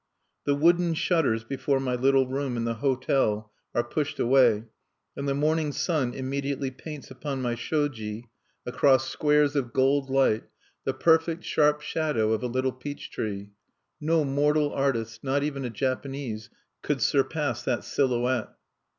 The wooden shutters before my little room in the hotel are pushed away; and the morning sun immediately paints upon my shoji, across squares of gold light, the perfect sharp shadow of a little peach tree. No mortal artist not even a Japanese could surpass that silhouette!